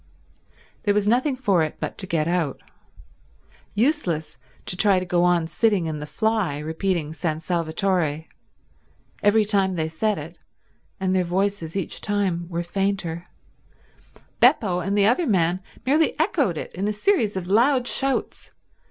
There was nothing for it but to get out. Useless to try to go on sitting in the fly repeating San Salvatore. Every time they said it, and their voices each time were fainter, Beppo and the other man merely echoed it in a series of loud shouts.